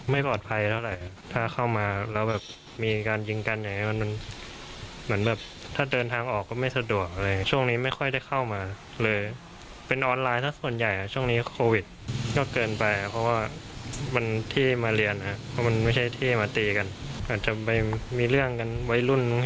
มันไม่ใช่ที่มาตีกันอาจจะมีเรื่องกันไว้รุ่น